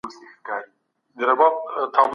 ولي مرستيال ښوونکی د زده کړي پروسه منظموي؟